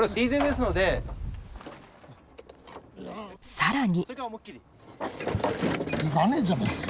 さらに。